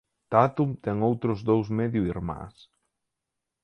Tatum ten outros dous medio irmáns.